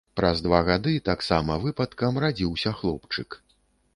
Праз два гады, таксама выпадкам, радзіўся хлопчык.